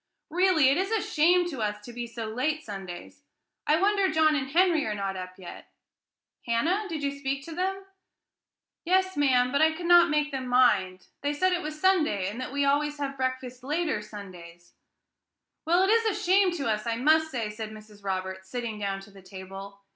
"Really, it is a shame to us to be so late Sundays. I wonder John and Henry are not up yet: Hannah, did you speak to them?" "Yes, ma'am, but I could not make them mind; they said it was Sunday, and that we always have breakfast later Sundays." "Well, it is a shame to us, I must say," said Mrs. Roberts, sitting down to the table.